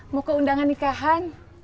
mau ke undangan nikahan